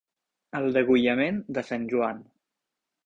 El degollament de sant Joan.